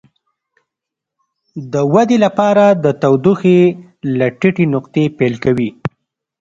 د ودې لپاره د تودوخې له ټیټې نقطې پیل کوي.